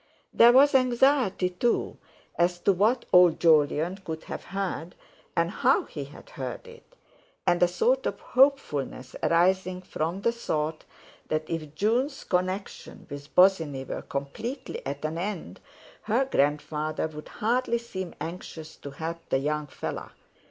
There was anxiety, too, as to what old Jolyon could have heard and how he had heard it; and a sort of hopefulness arising from the thought that if Jun's connection with Bosinney were completely at an end, her grandfather would hardly seem anxious to help the young fellow.